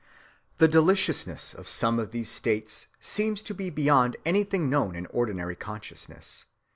(255) The deliciousness of some of these states seems to be beyond anything known in ordinary consciousness.